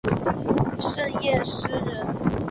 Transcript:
盛彦师人。